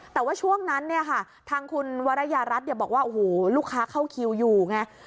แต่ว่าช่วงนั้นเนี่ยค่ะทางคุณวรยารัฐบอกว่าโอ้โหลูกค้าเข้าคิวอยู่ไง